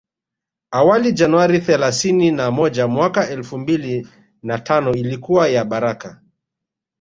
Awali Januari thelasini na moja mwaka elfu mbili na tano ilikuwa ya baraka